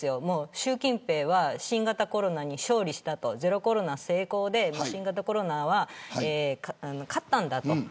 習近平は新型コロナに勝利したゼロコロナ成功で、新型コロナに勝ったんだと。